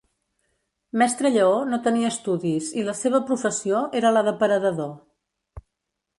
Mestre Lleó no tenia estudis i la seva professió era la de paredador.